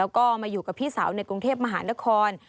แล้วก็มาอยู่กับพี่สาวในกรุงเทพมหานคร